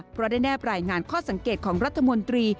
เพราะได้แนบรายงานข้อสังเกตของรัฐมนตรี